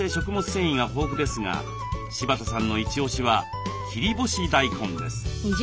繊維が豊富ですが柴田さんのイチオシは切り干し大根です。